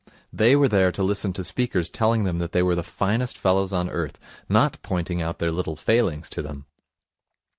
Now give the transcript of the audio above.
They were there to listen to speakers telling them that they were the finest fellows on earth, not pointing out their little failings to them.